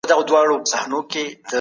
خپل وجدان به تل بیدار ساتئ.